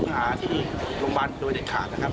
หาที่โรงพยาบาลโดยเด็ดขาดนะครับ